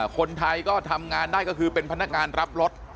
คนไทยก็ทำงานได้ก็คือเป็นพนักงานรับรถ